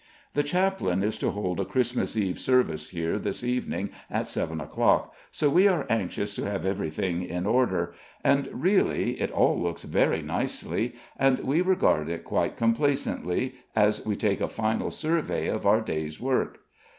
The Chaplain is to hold a Christmas Eve Service here, this evening at seven o'clock; so we are anxious to have everything in order; and really, it all looks very nicely, and we regard it quite complacently, as we take a final survey of our day's work.